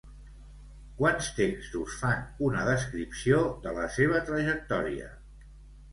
Quants textos fan una descripció de la seva trajectòria?